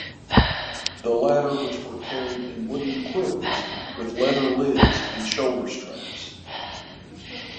The latter which were carried in wooden quivers with leather lids and shoulder straps.